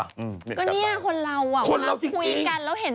ก็เนี่ยคนเราอ่ะเราคุยกันแล้วเห็นแต่รูปบ้าคนเราจริง